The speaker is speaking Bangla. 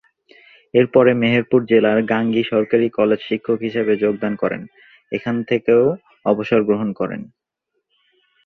এরপরে মেহেরপুর জেলার গাংনী সরকারি কলেজ শিক্ষক হিসাবে যোগদান করেন, এখানে থেকেও অবসর গ্রহণ করেন।